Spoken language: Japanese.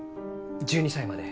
１２歳まで。